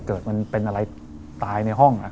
เกิดมันเป็นอะไรตายในห้อง